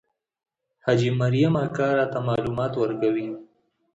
حاجي مریم اکا راته معلومات ورکوي.